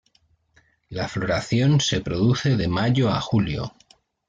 La floración se produce de mayo a julio.